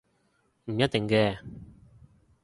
唔一定嘅